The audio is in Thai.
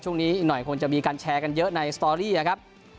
อีกหน่อยคงจะมีการแชร์กันเยอะในสตอรี่ครับ